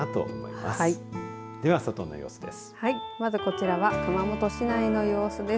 まずこちらは熊本市内の様子です。